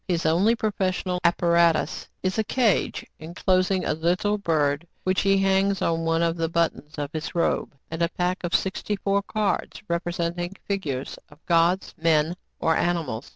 His only professional appara tus is a cage, enclosing a little bird, which he hangs on one of the buttons of his robe, and a pack of sixty four cards, representing figures of gods, men, or animals.